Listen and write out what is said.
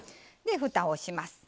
ふたをします。